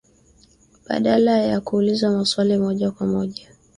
badala ya kuuliza maswali ya moja kwa moja